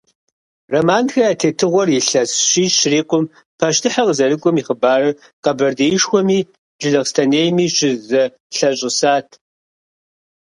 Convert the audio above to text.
Романхэ я тетыгъуэр илъэс щищ щырикъум, пащтыхьыр къызэрыкӀуэм и хъыбарыр Къэбэрдеишхуэми Джылахъстэнейми щызэлъащӀысат.